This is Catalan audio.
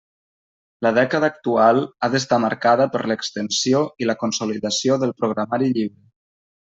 La dècada actual ha d'estar marcada per l'extensió i la consolidació del programari lliure.